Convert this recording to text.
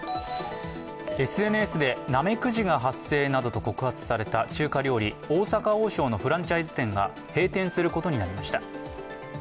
ＳＮＳでナメクジが発生などと告発された、中華料理、大阪王将のフランチャイズ店が閉店することになりました。